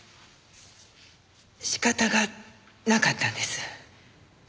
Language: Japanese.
仕方がなかったんです。